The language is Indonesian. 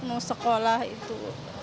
mau sekolah itu